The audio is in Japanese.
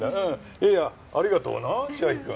いやいやありがとうな千秋君。